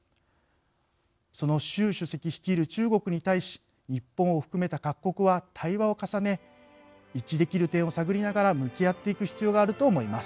その習主席率いる中国に対し日本を含めた各国は対話を重ね一致できる点を探りながら向き合っていく必要があると思います。